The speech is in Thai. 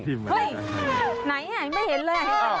เฮ้ยในอ่ะไม่เห็นเลย